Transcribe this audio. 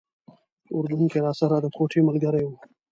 په اردن کې راسره د کوټې ملګری و.